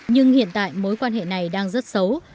nhưng hiện tại mối quan hệ này đang rất xấu